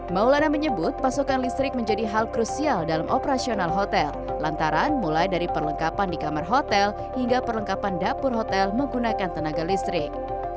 maulana menyebut pasokan listrik menjadi hal krusial dalam operasional hotel lantaran mulai dari perlengkapan di kamar hotel hingga perlengkapan dapur hotel menggunakan tenaga listrik